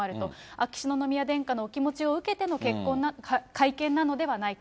秋篠宮殿下のお気持ちを受けての結婚の会見なのではないか。